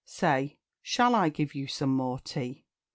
say "Shall I give you some more tea?"